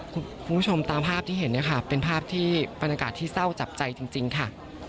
คุณผู้ชมตามภาพที่เห็นเนี่ยค่ะเป็นภาพที่บรรยากาศที่เศร้าจับใจจริงค่ะ